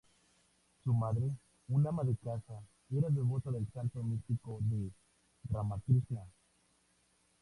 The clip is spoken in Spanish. Su madre, una ama de casa, era devota del santo místico de Ramakrishna.